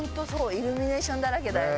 イルミネーションだらけだよね